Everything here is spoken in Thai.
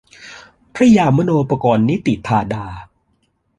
พระยามโนปกรณ์นิติธาดา